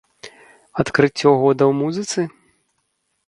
Адкрыццё года ў музыцы?